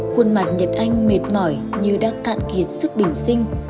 khuôn mặt nhật anh mệt mỏi như đã cạn kiệt sức bình sinh